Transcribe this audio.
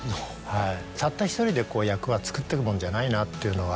たった１人で役は作ってくもんじゃないなっていうのは。